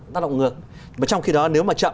tác động ngược mà trong khi đó nếu mà chậm